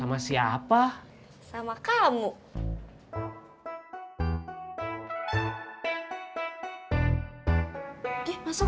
ya apa ya anticipating